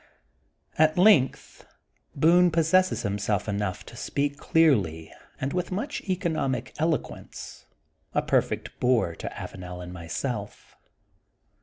At length Boone possesses himself enough to speak clearty and with much economic elo quence, a perfect bore to Avanel and myself.